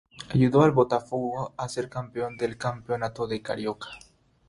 Ayudó al Botafogo a ser campeón del Campeonato Carioca.